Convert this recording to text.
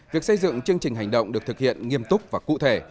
việc xây dựng chương trình hành động được thực hiện nghiêm túc và cụ thể